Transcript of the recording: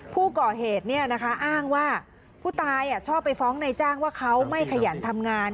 ผู้ก่อเหตุอ้างว่าผู้ตายชอบไปฟ้องในจ้างว่าเขาไม่ขยันทำงาน